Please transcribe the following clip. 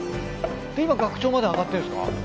で今学長まで上がってんすか？